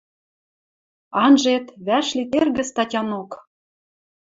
Анжет, вӓшлит эргӹ статянок...